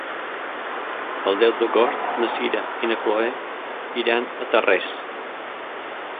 El deu d'agost na Sira i na Chloé iran a Tarrés.